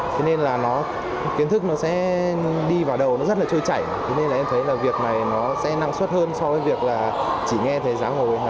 thế nên là kiến thức nó sẽ đi vào đầu nó rất là trôi chảy thế nên là em thấy việc này nó sẽ năng suất hơn so với việc chỉ nghe thầy giảng ở trên lớp